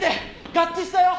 合致したよ！